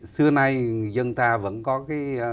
xưa nay dân ta vẫn có cái cách nghĩ là điền tư ngư chung